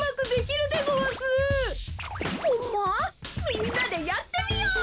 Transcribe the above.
みんなでやってみよう！